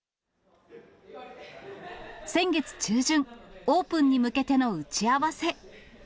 先月中旬、オープンに向けての打ち合わせ。